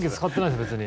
別に。